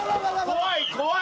怖い怖い。